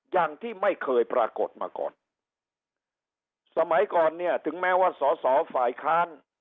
อย่างที่ไม่เคยปรากฏมาก่อนสมัยก่อนเนี่ยถึงแม้ว่าสอสอฝ่ายค้าน